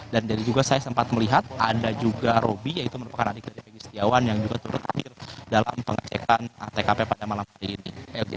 dan dari juga saya sempat melihat ada juga roby yaitu merupakan adik dari peggy setiawan yang juga turut hadir dalam pengecekan tkp pada malam hari ini